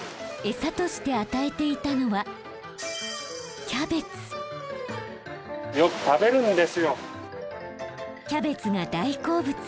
餌として与えていたのはキャベツが大好物。